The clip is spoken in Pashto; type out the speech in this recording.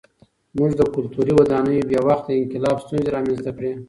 زموږ د کلتوري ودانیو بې وخته انقلاب ستونزې رامنځته کړې.